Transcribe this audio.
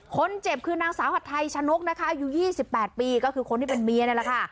คนเจ็บคือนางสาวหัดไทยชะนกนะคะอายุ๒๘ปีก็คือคนที่เป็นเมียนั่นแหละค่ะ